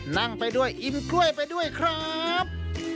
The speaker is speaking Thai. นั่งไปด้วยอิ่มกล้วยไปด้วยครับ